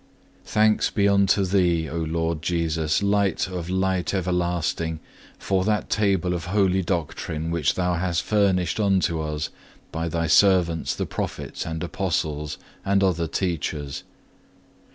5. Thanks be unto Thee, O Lord Jesus, Light of Light everlasting, for that table of holy doctrine which Thou has furnished unto us by Thy servants the Prophets and Apostles and other teachers.